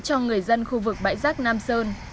cho người dân khu vực bãi rác nam sơn